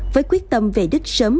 với quyết tâm về đích sớm